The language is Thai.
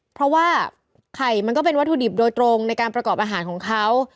เพราะว่าไข่มันก็เป็นวัตถุดิบโดยตรงในการประกอบอาหารของเขา